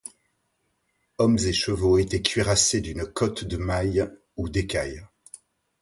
Hommes et chevaux étaient cuirassés d'une cotte de mailles ou d'écailles.